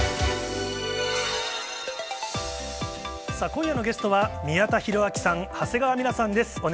今夜のゲストは、宮田裕章さん、長谷川ミラさんです。